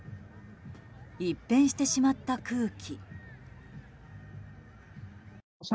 一変してしまった空気。